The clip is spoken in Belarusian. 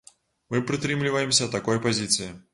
Мы прытрымліваемся такой пазіцыі.